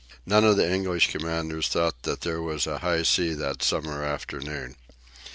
None of the English commanders thought that there was a high sea that summer afternoon.